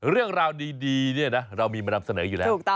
เรื่องราวดีเนี่ยนะเรามีมานำเสนออยู่แล้ว